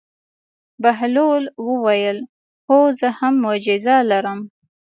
بهلول وویل: هو زه هم معجزه لرم.